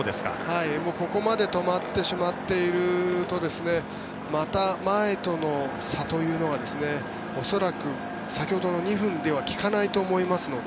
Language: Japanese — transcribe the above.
ここまで止まってしまっているとまた、前との差というのが恐らく先ほどの２分では利かないと思いますので。